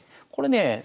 これねえ